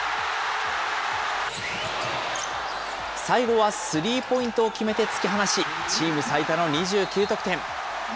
最後はスリーポイントを決めて突き放し、チーム最多の２９得点。